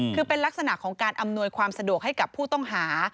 คือเป็นลักษณะของการอำนวยความสะดวกให้กับผู้ต้องหา